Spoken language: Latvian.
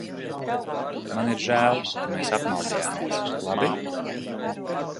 Man ir žēl, ka mēs apmaldījāmies, labi?